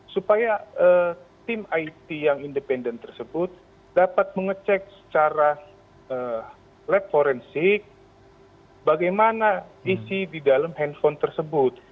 supaya tim it yang independen tersebut dapat mengecek secara lab forensik bagaimana isi di dalam handphone tersebut